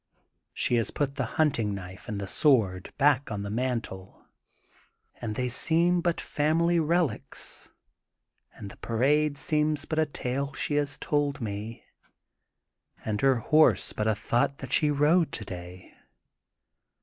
She has put the hunting knife and the sword 170 THE GOLDEN BOOK OF SPRINGFIELD back on the mantle and they seem but family relics^ and the parade seems but a tale she has told me, and her horse but a thought that she rode today.